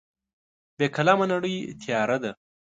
بې قلمه نړۍ تیاره ده.